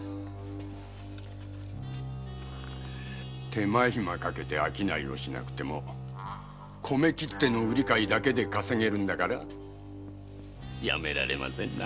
手間ひまかけて商いをしなくても米切手の売り買いだけで稼げるんだからやめられませんな。